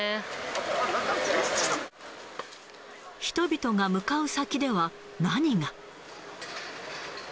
人々が向かう先では、何が。